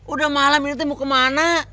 udah malam ini tuh mau kemana